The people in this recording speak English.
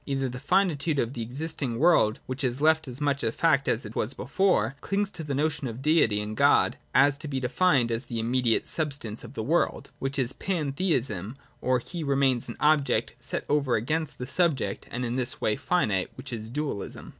Either the finitude of the existing world, which is left as much a fact as it was before, cHngs to the notion of Deity, and God has to be defined as the immediate substance of that world, — which is Pantheism : or He remains an object set over against the subject, and in this way, finite, — which is Dualism.